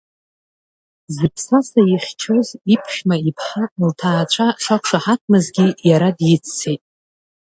Зыԥсаса ихьчоз, иԥшәма иԥҳа, лҭаацәа шақәшаҳаҭмызгьы, иара диццеит.